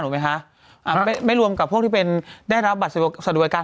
เห็นไหมคะฮะไม่รวมกับพวกที่เป็นได้รับบัตรสสดวยการ